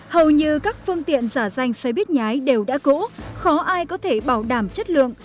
hầu như các phương tiện giả danh xe buýt nhái đều đã cũ khó ai có thể bảo đảm chất lượng